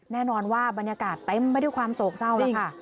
แน่นอนว่าบรรยากาศเต็มไปด้วยความโศกเศร้าแล้วค่ะ